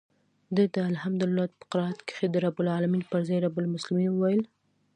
ده د الحمد په قرائت کښې د رب العلمين پر ځاى رب المسلمين وويل.